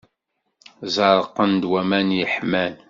Zerqen-d waman iḥman.